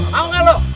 mau gak lu